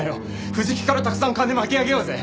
藤木からたくさん金巻き上げようぜ。